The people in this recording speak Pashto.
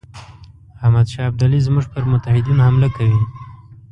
احمدشاه ابدالي زموږ پر متحدینو حمله کوي.